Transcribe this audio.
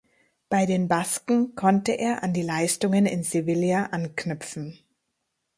Bei den Basken konnte er an die Leistungen in Sevilla anknüpfen.